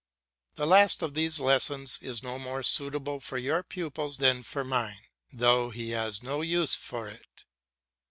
The last of these lessons is no more suitable for your pupils than for mine, though he has no use for it.